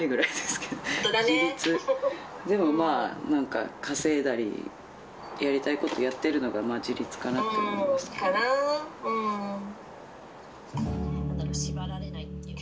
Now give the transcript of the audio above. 自立、でもまあ、なんか稼いだり、やりたいことやっているのが自立かなって思います。